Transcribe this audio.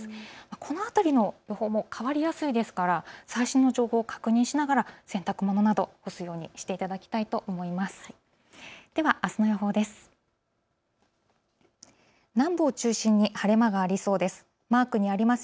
この辺りの予報も変わりやすいですから最新の情報を確認しながら洗濯物など、干すようにしていただきたいと思います。